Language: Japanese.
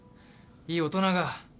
いい大人が。